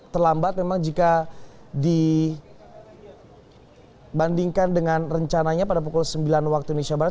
terlambat memang jika dibandingkan dengan rencananya pada pukul sembilan waktu indonesia barat